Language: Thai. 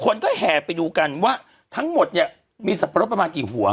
คนก็แห่ไปดูกันว่าทั้งหมดเนี่ยมีสับปะรดประมาณกี่หัว